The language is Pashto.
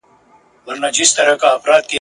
خدای مي دي ملګرو په دې لویه ګناه نه نیسي ..